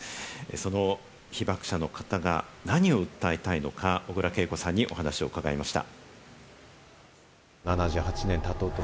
その被爆者の方が何を訴えたいのか、小倉桂子さんにお話を伺いました。